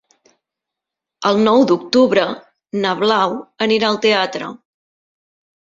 El nou d'octubre na Blau anirà al teatre.